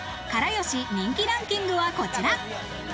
から好し人気ランキングはこちら。